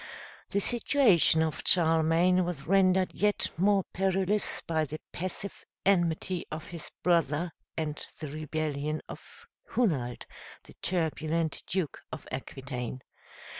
The situation of Charlemagne was rendered yet more perilous by the passive enmity of his brother, and the rebellion of Hunald, the turbulent Duke of Aquitaine.